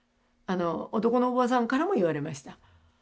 男のお坊さんからも言われました。